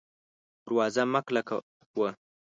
دروازه مه کلکه وه